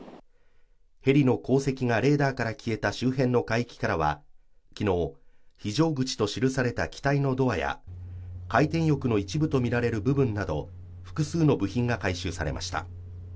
ヘリの航跡がレーダーから消えた周辺の海域からは昨日、非常口と記された機体のドアや回転翼の一部とみられる部分など複数の部品が回収されました。